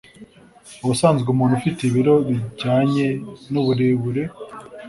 Ubusanzwe umuntu ufite ibiro bijyanye n'uburebure